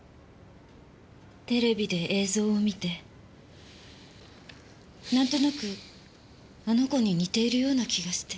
テレビで映像を観てなんとなくあの子に似ているような気がして。